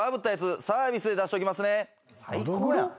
最高やん。